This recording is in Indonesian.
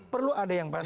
perlu ada yang bantu